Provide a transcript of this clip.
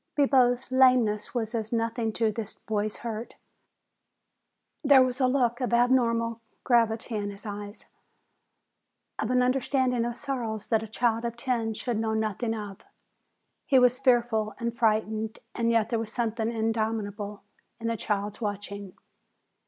Bibo's lameness was as nothing to this boy's hurt. There was a look of abnormal gravity in his eyes, of an understanding of sorrows that a child of ten should know nothing of. He was fearful and frightened and yet there was something indomitable in the child's watching.